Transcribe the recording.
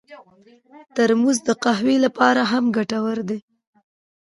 ترموز د قهوې لپاره هم ګټور دی.